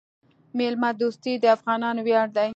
میلمه دوستي د افغانانو ویاړ دی.